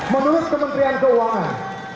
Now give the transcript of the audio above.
menurut kementerian keuangan